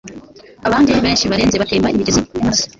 Abandi benshi barenze batemba imigezi yamaraso